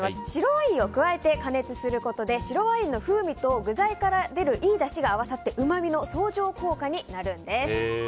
白ワインを加えて加熱することで白ワインの風味と具材から出るいいだしが合わさってうまみの相乗効果になるんです。